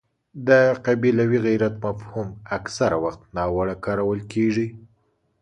د قبیلوي غیرت مفهوم اکثره وخت ناوړه کارول کېږي.